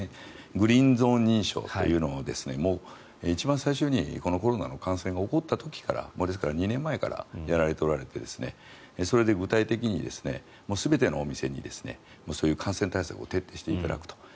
グリーン・ゾーン認証というのをもう一番最初にコロナの感染が起こった時からですから２年前からやられておられてそれで具体的に、全てのお店にそういう感染対策を徹底していただくと。